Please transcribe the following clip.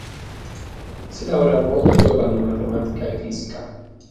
Si laureò molto giovane in matematica e fisica.